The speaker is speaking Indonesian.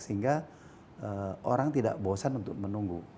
sehingga orang tidak bosan untuk menunggu